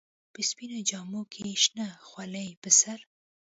په سپينو جامو کښې شنه خولۍ پر سر.